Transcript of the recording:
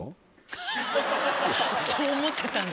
そう思ってたんだ。